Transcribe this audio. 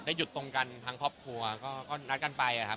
หยุดตรงกันทั้งครอบครัวก็นัดกันไปครับ